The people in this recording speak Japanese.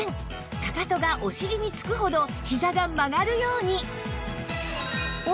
かかとがお尻につくほどひざが曲がるように！